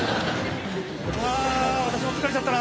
あ私も疲れちゃったな。